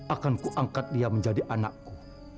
akan kuangkat dia menjadi anakku